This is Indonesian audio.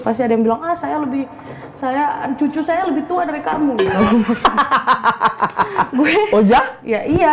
pasti ada yang bilang ah saya lebih saya cucu saya lebih tua dari kamu oh ya iya